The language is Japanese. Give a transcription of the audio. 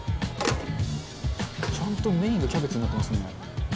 「ちゃんとメインがキャベツになってますね」